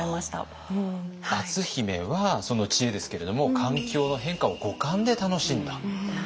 篤姫はその知恵ですけれども環境の変化を五感で楽しんだ。